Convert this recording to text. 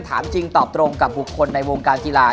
ถามจริงตอบตรงกับบุคคลในวงการกีฬา